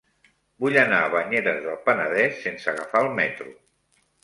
Vull anar a Banyeres del Penedès sense agafar el metro.